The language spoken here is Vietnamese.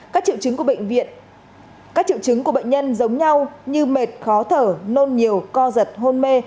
các triệu chứng của bệnh nhân giống nhau như mệt khó thở nôn nhiều co giật hôn mê